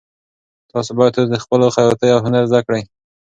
تاسو باید اوس د پخلي او خیاطۍ هنر زده کړئ.